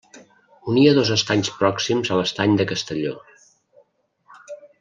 Unia dos estanys pròxims a l'estany de Castelló.